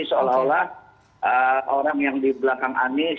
seolah olah orang yang di belakang anies